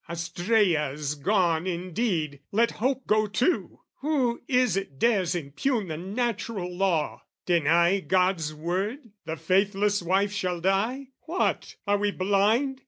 AstrAea's gone indeed, let hope go too! Who is it dares impugn the natural law? Deny God's word "the faithless wife shall die?" What, are we blind?